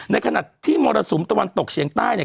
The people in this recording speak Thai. ในขณะที่มรศุมธ์ตะวันตกเฉียงใต้